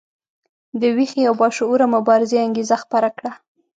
د ویښې او باشعوره مبارزې انګیزه خپره کړه.